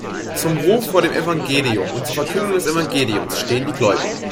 Zum Ruf vor dem Evangelium und zur Verkündung des Evangeliums stehen die Gläubigen.